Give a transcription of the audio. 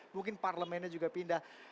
mungkin parlemennya juga pindah